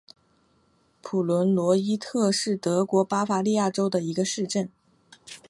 普伦罗伊特是德国巴伐利亚州的一个市镇。